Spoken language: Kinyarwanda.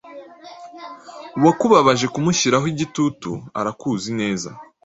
Uwakubabaje kumushyiraho igitututu arakuzi neza.